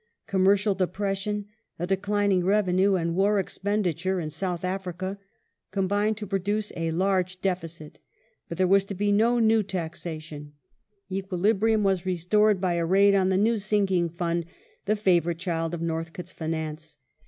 Commercial depression, a declining revenue, and war expenditure (in South Africa) combined to produce a large deficit ; but there was to be no new taxation : equilibrium was restored by a raid on the new sinking fund — the favourite child of Noi thcote's finance.